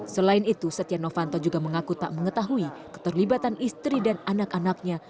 selain itu setia novanto juga mengaku tak mengetahui keterlibatan istri dan anak anaknya